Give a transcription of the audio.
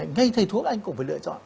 ngay thầy thuốc anh cũng phải lựa chọn